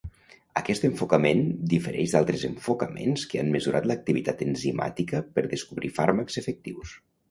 Aquest enfocament difereix d'altres enfocaments que han mesurat l'activitat enzimàtica per descobrir fàrmacs efectius.